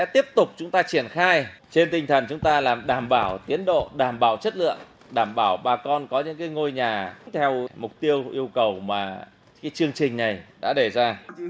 tiếp tục chúng ta triển khai trên tinh thần chúng ta làm đảm bảo tiến độ đảm bảo chất lượng đảm bảo bà con có những ngôi nhà theo mục tiêu yêu cầu mà chương trình này đã đề ra